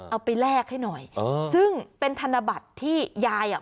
แลกให้หน่อยเออซึ่งเป็นธนบัตรที่ยายอ่ะ